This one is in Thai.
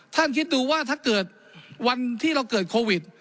คิดดูว่าถ้าเกิดวันที่เราเกิดโควิด